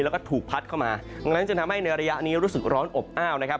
แล้วก็ถูกพัดเข้ามาดังนั้นจึงทำให้ในระยะนี้รู้สึกร้อนอบอ้าวนะครับ